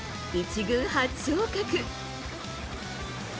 １軍初昇格。